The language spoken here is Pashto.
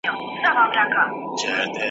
پردي خواړه يا پور دى يا پيغور !.